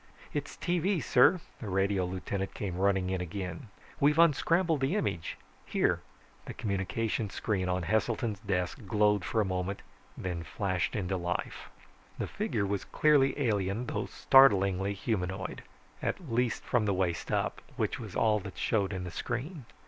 "It's tv, sir!" The radio lieutenant came running in again. "We've unscrambled the image. Here!" The communications screen on Heselton's desk glowed for a moment, then flashed into life. The figure was clearly alien, though startlingly humanoid at least from the waist up, which was all that showed in the screen.